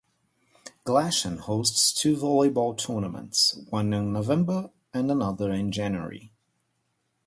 Glashan hosts two volleyball tournaments, one in November and another in January.